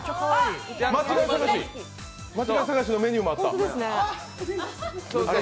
間違い探しのメニューもあった。